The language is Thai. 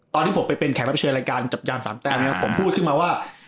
ตอนที่ผมไปเป็นแขกรับเชิญรายการจับยามสามแต้มเนี่ยผมพูดขึ้นมาว่า